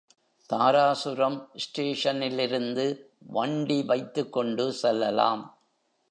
தாராசுரம் ஸ்டேஷனிலிருந்து வண்டி வைத்துக் கொண்டு செல்லலாம்.